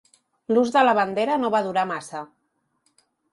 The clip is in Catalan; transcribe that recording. L'ús de la bandera no va durar massa.